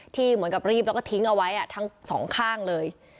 ที่เหมือนกับรีบแล้วก็ทิ้งเอาไว้ทั้งสองข้างเลย